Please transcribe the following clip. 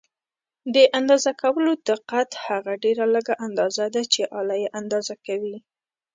د اندازه کولو دقت هغه ډېره لږه اندازه ده چې آله یې اندازه کوي.